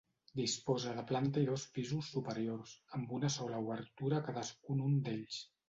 Disposa de planta i dos pisos superiors, amb una sola obertura a cadascun un d'ells.